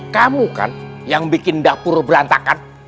kamu kan yang bikin dapur berantakan